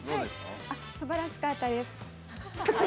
すばらしかったです。